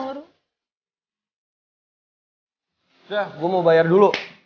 sudah gue mau bayar dulu